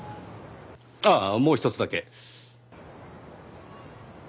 ああもうひとつだけ。